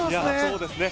そうですね。